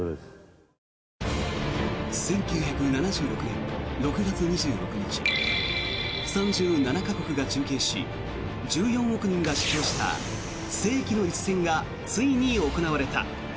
１９７６年６月２６日３７か国が中継し１４億人が視聴した世紀の一戦がついに行われた。